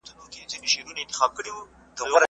هغه د دې څانګې پلار بلل کيږي.